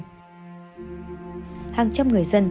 hàng trăm người dân trên đường yên bái đã bị bắt